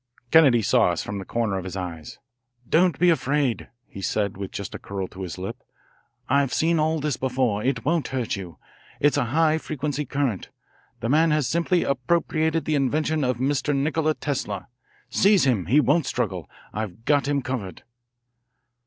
Kennedy saw us from the corner of his eye. "Don't be afraid," he said with just a curl to his lip. "I've seen all this before. It won't hurt you. It's a high frequency current. The man has simply appropriated the invention of Mr. Nikola Tesla. Seize him. He won't struggle. I've got him covered."